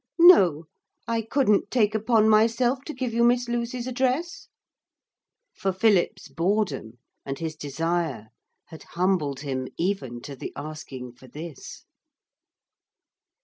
No; I couldn't take upon myself to give you Miss Lucy's address.' For Philip's boredom and his desire had humbled him even to the asking for this.